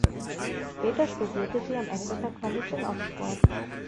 Später studierte sie am "Exeter College" in Oxford.